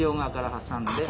挟んで。